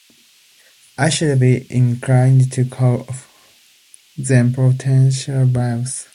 I should be inclined to call them 'propositional verbs'.